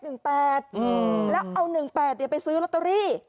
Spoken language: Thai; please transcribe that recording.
แล้วเอา๑๘ไปซื้อลอตเตอรี่